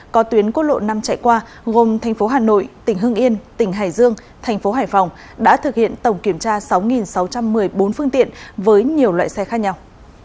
có tuyến quốc lộ năm chạy qua gồm thành phố hà nội tỉnh hưng yên tỉnh hải dương thành phố hải phòng đã thực hiện tổng kiểm tra sáu sáu trăm một mươi bốn phương tiện với nhiều loại xe khác nhau